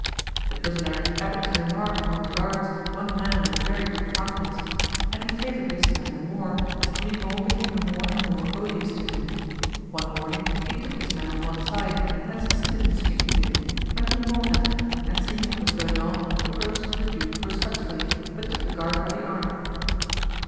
The prisoner happened to remark among the guards one man with a very good countenance; and he favored this man the more as Grimaud became the more and more odious to him. One morning he took this man on one side and had succeeded in speaking to him, when Grimaud entered and seeing what was going on approached the duke respectfully, but took the guard by the arm.